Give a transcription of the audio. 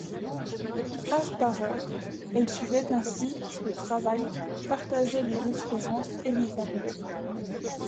Heure par heure, elle suivait ainsi le travail, partageait les espérances et les abattements.